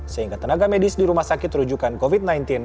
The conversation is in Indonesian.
sehingga tenaga medis di rumah sakit rujukan covid sembilan belas